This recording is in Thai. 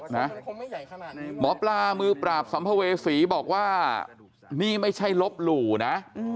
หมอปลามือปราบสัมภเวษีบอกว่านี่ไม่ใช่ลบหลู่นะ